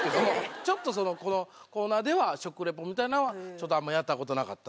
ちょっとこのコーナーでは食リポみたいなのはあんまりやったことなかったんで。